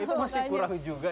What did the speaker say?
itu masih kurang juga